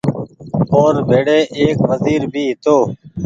اور ڀيري ايڪ وزير بهي هيتو